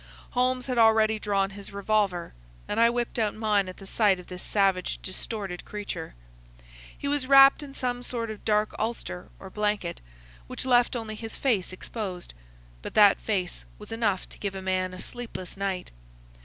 Holmes had already drawn his revolver, and I whipped out mine at the sight of this savage, distorted creature. He was wrapped in some sort of dark ulster or blanket, which left only his face exposed; but that face was enough to give a man a sleepless night.